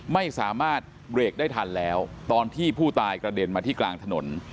ไม่สามารถเบรกได้ทันแล้วตอนที่ผู้ตายกระเด็นมาที่กลางถนน